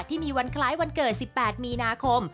ที่มีวันคล้ายวันเกิด๑๘มีนาคม